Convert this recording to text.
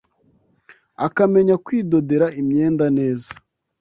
akamenya kwidodera imyenda neza